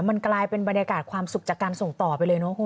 มันกลายเป็นบรรยากาศความสุขจากการส่งต่อไปเลยเนอะคุณ